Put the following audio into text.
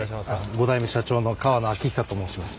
５代目社長の河野晃久と申します。